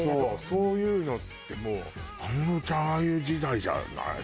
そういうのってもう安室ちゃんあゆ時代じゃない？